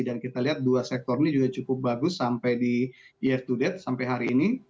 dan kita lihat dua sektor ini juga cukup bagus sampai di year to date sampai hari ini